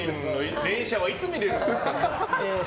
連射はいつ見れるんですか？